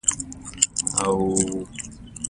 که د چا اوښ دې په موټر ووهه.